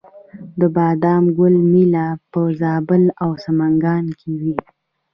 د بادام ګل میله په زابل او سمنګان کې وي.